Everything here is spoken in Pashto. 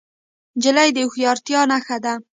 نجلۍ د هوښیارتیا نښه ده.